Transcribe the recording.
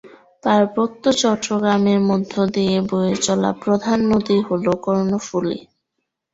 পার্বত্য চট্টগ্রামের মধ্য দিয়ে বয়ে চলা প্রধান নদী হল কর্ণফুলী।